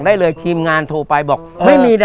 แขกรับเชิญของเราในวันนี้นะครับ